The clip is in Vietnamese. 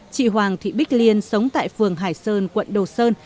chị hoàng thị bích liên sống tại phường hải sơn quận đồ sơn